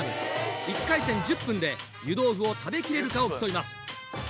１回戦１０分で湯豆腐を食べきれるかを競います。